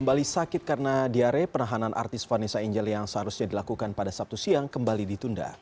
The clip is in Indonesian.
kembali sakit karena diare penahanan artis vanessa angel yang seharusnya dilakukan pada sabtu siang kembali ditunda